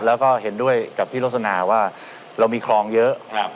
แล้วก็เห็นด้วยกับพี่โรสนาว่าเรามีคลองเยอะ